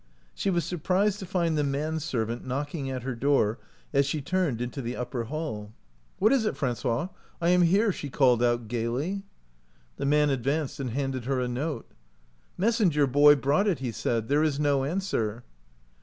She was surprised to find the man servant knocking at her door as she turned into the upper hall. 136 OUT OF BOHEMIA " What is it, Francois? I am here," she called out, gaily. The man advanced and handed her a note. " Messenger boy brought it," he said. "There is no answer."